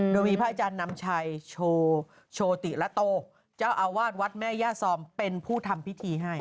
โดยมีพระอาจารย์นำชัยโชติละโตเจ้าอาวาสวัดแม่ย่าซอมเป็นผู้ทำพิธีให้